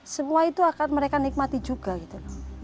semua itu akan mereka nikmati juga gitu loh